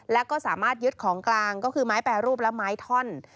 แล้วก็สามารถยึดของกลางก็คือไม้แปรรูปและไม้ท่อน